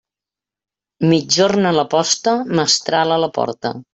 Migjorn a la posta, mestral a la porta.